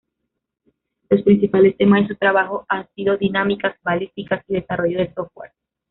Los principales temas de su trabajo han sido dinámicas, balística, y desarrollo de software.